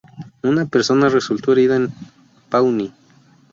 Una persona resultó herida en Pawnee.